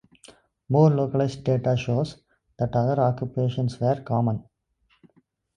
More localized data shows that other occupations were common.